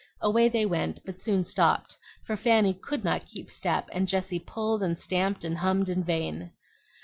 Away they went, but soon stopped; for Fanny could not keep step, and Jessie pulled and stamped and hummed in vain.